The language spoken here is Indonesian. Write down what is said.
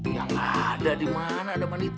ya gak ada dimana ada mandi teh